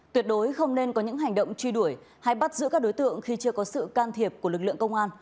tuyệt đối không nên có những hành động truy đuổi hay bắt giữ các đối tượng khi chưa có sự can thiệp của lực lượng công an